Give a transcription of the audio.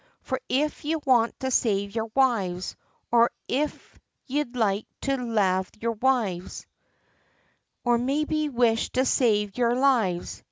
For if ye want to save yer wives, Or if ye'd like to lave yer wives, Or maybe wish to save yer lives!